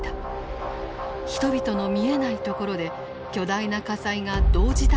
人々の見えないところで巨大な火災が同時多発で起きていた。